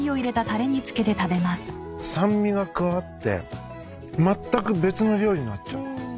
酸味が加わってまったく別の料理になっちゃう。